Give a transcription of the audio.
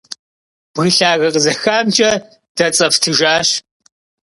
Бгы лъагэ къызэхамкӀэ дэцӀэфтыжащ.